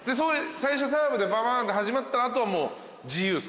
最初サーブでババーンって始まったら後はもう自由っすか？